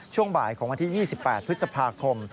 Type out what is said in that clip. ช่วงบ่ายของวันที่๒๘พฤษภาคม